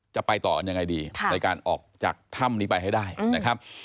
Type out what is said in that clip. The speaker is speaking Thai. จะไปต่อกันยังไงดีในการออกจากถ้ำนี้ไปให้ได้นะครับ